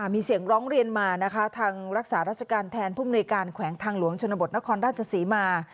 มีเสียงร้องเรียนมานะคะทางรักษาราชการแทนผู้มนุยการแขวงทางหลวงชนบทนครราชศรีมา